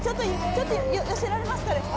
ちょっと寄せられますかね。